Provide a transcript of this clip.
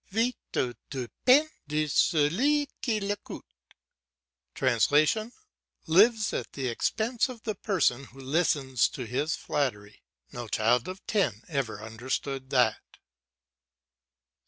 "Vit au depens de celui qui l'ecoute" ("Lives at the expense of the person who listens to his flattery"). No child of ten ever understood that.